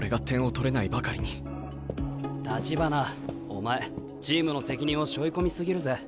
橘お前チームの責任をしょい込み過ぎるぜ。